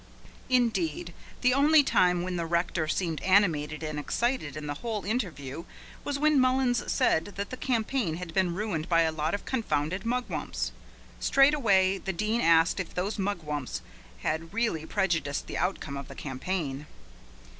Indeed, the only time when the rector seemed animated and excited in the whole interview was when Mullins said that the campaign had been ruined by a lot of confounded mugwumps. Straight away the Dean asked if those mugwumps had really prejudiced the outcome of the campaign.